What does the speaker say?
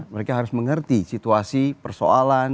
mereka harus mengerti situasi persoalan